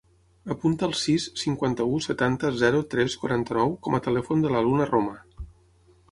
Apunta el sis, cinquanta-u, setanta, zero, tres, quaranta-nou com a telèfon de la Luna Roma.